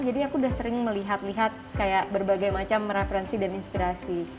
jadi aku udah sering melihat lihat kayak berbagai macam referensi dan inspirasi